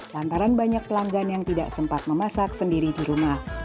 lantaran banyak pelanggan yang tidak sempat memasak sendiri di rumah